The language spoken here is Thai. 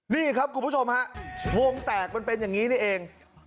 นี่ครับคุณผู้ชมฮะวงแตกมันเป็นอย่างนี้นี่เอง